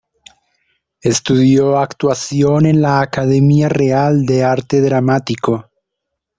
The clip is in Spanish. Estudió actuación en la Academia Real de Arte Dramático.